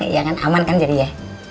ya kan aman kan jadi ya